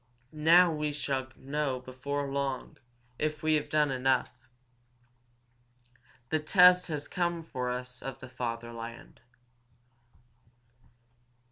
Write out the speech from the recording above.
Now we shall know before long if we have done enough. The test has come for us of the fatherland."